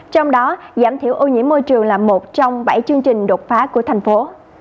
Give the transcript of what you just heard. trong đó giảm thiểu ô nhiễm môi trường là một trong bảy chương trình đột phá của thành phố